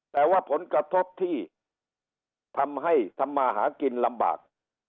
แต่ว่าผลกระทบที่ทำให้ทำมาหากินลำบาก